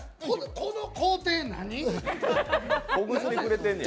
この工程、何？